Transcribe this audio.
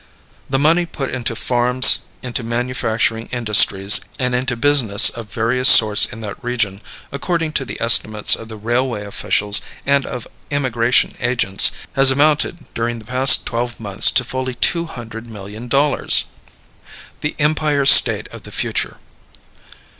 The money put into farms, into manufacturing industries, and into business of various sorts in that region, according to the estimates of railway officials and of immigration agents, has amounted during the past twelve months to fully two hundred million dollars. The Empire State of the Future.